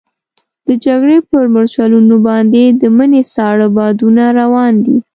د جګړې پر مورچلونو باندې د مني ساړه بادونه روان دي.